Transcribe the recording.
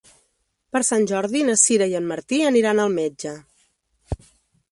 Per Sant Jordi na Sira i en Martí aniran al metge.